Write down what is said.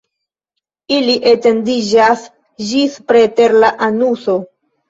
Ili etendiĝas ĝis preter la anuso.